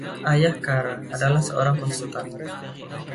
Ayah Cara adalah seorang konsultan.